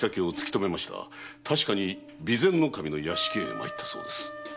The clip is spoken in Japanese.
確かに備前守の屋敷へ参ったそうです。